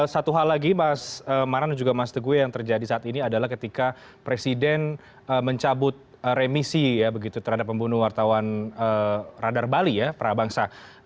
satu hal lagi mas maran dan juga mas teguh yang terjadi saat ini adalah ketika presiden mencabut remisi ya begitu terhadap pembunuh wartawan radar bali ya prabangsa